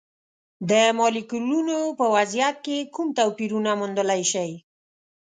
د مالیکولونو په وضعیت کې کوم توپیرونه موندلی شئ؟